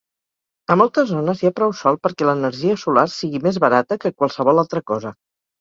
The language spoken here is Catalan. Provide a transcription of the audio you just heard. A moltes zones hi ha prou sol perquè l'energia solar sigui més barata que qualsevol altra cosa.